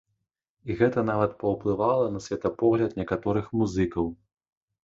І гэта нават паўплывала на светапогляд некаторых музыкаў.